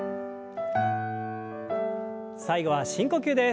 最後は深呼吸です。